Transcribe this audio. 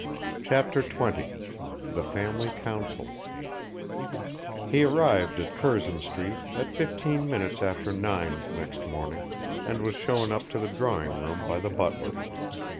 CHAPTER XX THE FAMILY COUNCIL He arrived at Curzon Street at fifteen minutes after nine next morning, and was shown up to the drawing room by the butler.